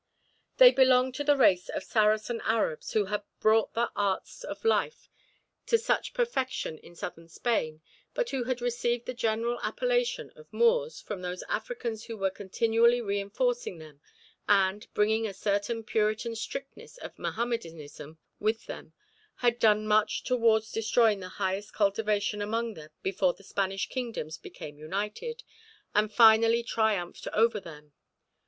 They belonged to the race of Saracen Arabs who had brought the arts of life to such perfection in Southern Spain, but who had received the general appellation of Moors from those Africans who were continually reinforcing them, and, bringing a certain Puritan strictness of Mohammedanism with them, had done much towards destroying the highest cultivation among them before the Spanish kingdoms became united, and finally triumphed over them.